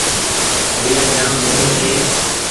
گھڙيآ جآم موٽو ڇي ۔